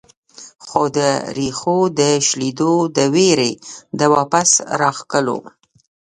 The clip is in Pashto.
خو د ريښو د شلېدو د وېرې د واپس راښکلو